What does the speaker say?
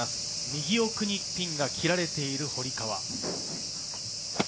右奥にピンが切られている、堀川。